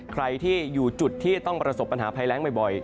ใครที่อยู่จุดที่ต้องประสบปัญหาภัยแรงบ่อย